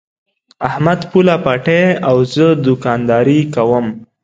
احمد پوله پټی او زه دوکانداري کوم.